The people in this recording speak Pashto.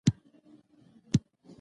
دجبار خون بها مې پوره نه شوى کړى.